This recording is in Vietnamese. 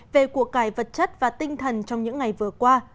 về cuộc cải vật chất và tinh thần trong những ngày vừa qua